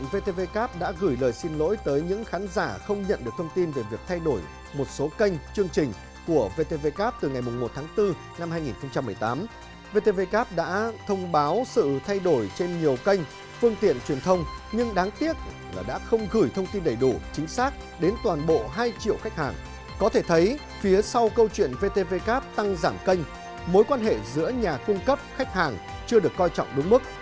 vtvcap tăng giảm kênh mối quan hệ giữa nhà cung cấp khách hàng chưa được coi trọng đúng mức